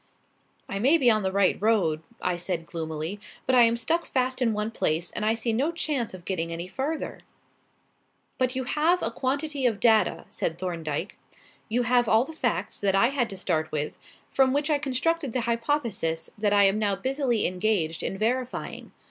"I may be on the right road," I said gloomily; "but I am stuck fast in one place and I see no chance of getting any farther." "But you have a quantity of data," said Thorndyke. "You have all the facts that I had to start with, from which I constructed the hypothesis that I am now busily engaged in verifying.